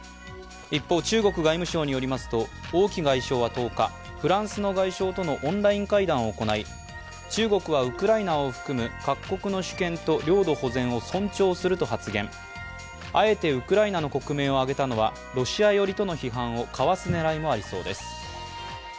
一方、中国外務省によりますと王毅外相は１０日、フランスの外相とのオンライン会談を行い中国はウクライナを含む各国の主権と領土保全を尊重すると発言、あえてウクライナの国名を挙げたのはロシア寄りとの批判をかわす狙いもありそうです。